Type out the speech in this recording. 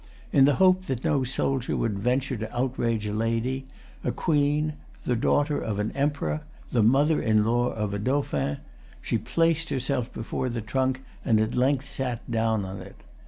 In the hope that no soldier would venture to outrage a lady, a queen, the daughter of an emperor, the mother in law of a dauphin, she placed herself before the trunk, and at length sat down on it.